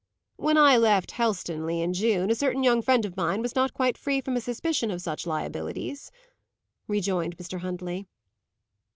"When I left Helstonleigh in June, a certain young friend of mine was not quite free from a suspicion of such liabilities," rejoined Mr. Huntley.